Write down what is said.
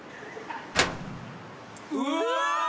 うわ。